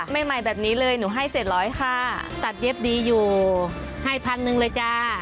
ใหม่แบบนี้เลยหนูให้๗๐๐ค่ะตัดเย็บดีอยู่ให้พันหนึ่งเลยจ้า